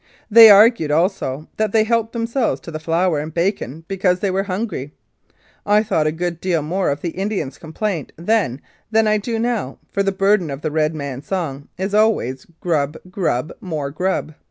They argued also that they helped themselves to the flour and bacon because they were hungry. I thought a good deal more of the Indians' complaint then than I do now, for the burden of the Red Man's song is always "Grub, grub, more grub."